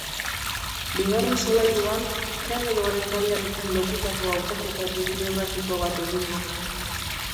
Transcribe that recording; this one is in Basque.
Bigarren solairuan, generoaren gaiarekin lotutako hautaketa bibliografiko bat egin dugu.